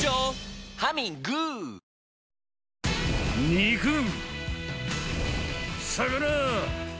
肉、魚！